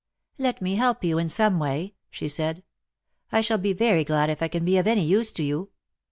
" Let me help you in some way," she said. " I shall be very glad if I can be of any use to you.